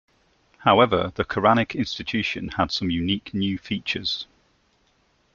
However, the Quranic institution had some unique new features.